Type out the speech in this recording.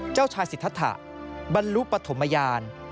เจ้าชายสิทธะบรรลุปฐมยาน